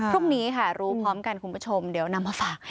พรุ่งนี้ค่ะรู้พร้อมกันคุณผู้ชมเดี๋ยวนำมาฝาก